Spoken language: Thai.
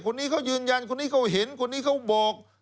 คนนี้เขายืนยันคนนี้เขาเห็นคนนี้เขาบอก